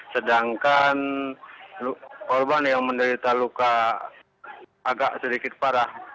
sedangkan korban yang menderita luka agak sedikit parah